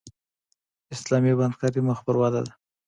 اسلامي بانکداري مخ په ودې ده